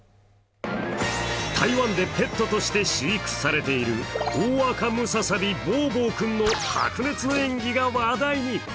台湾でペットとして飼育されているオオアカムササビ・ボーボー君の白熱の演技が話題に。